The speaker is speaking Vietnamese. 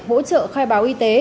bỗ trợ khai báo y tế